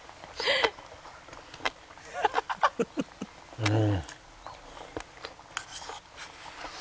うん。